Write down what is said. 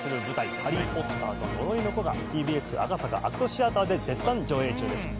「ハリー・ポッターと呪いの子」がＴＢＳ赤坂ＡＣＴシアターで絶賛上演中です